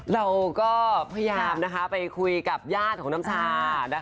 เราก็พยายามไปคุยกับญาติของน้ำชา